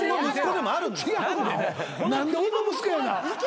何で俺の息子や。